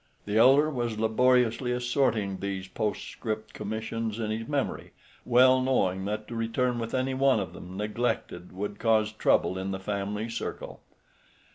The elder was laboriously assorting these postscript commissions in his memory, well knowing that to return with any one of them neglected would cause trouble in the family circle.